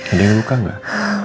ada yang luka gak